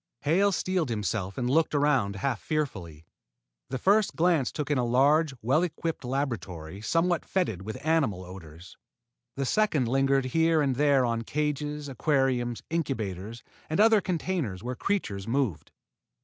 Hale steeled himself and looked around half fearfully. The first glance took in a large and well equipped laboratory, somewhat fetid with animal odors. The second lingered here and there on cages, aquariums, incubators, and other containers where creatures moved.